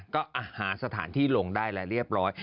ก็หาสถานที่ลงได้และเรียบร้อย